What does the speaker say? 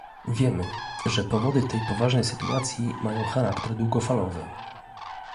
Wiemy, że powody tej poważnej sytuacji mają charakter długofalowy